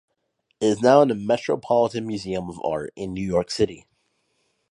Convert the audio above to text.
It is now in the Metropolitan Museum of Art in New York City.